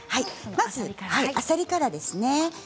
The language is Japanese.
まずは、あさりからですね。